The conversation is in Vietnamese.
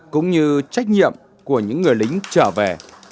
cũng như trách nhiệm của những người lính trở về